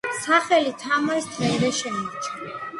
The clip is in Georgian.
სახელი თამაშს დღემდე შემორჩა.